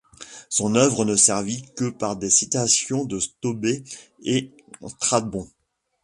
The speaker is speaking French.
Son œuvre ne survit que par des citations de Stobée et Strabon.